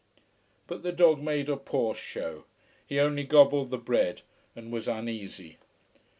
But the dog made a poor show He only gobbled the bread and was uneasy.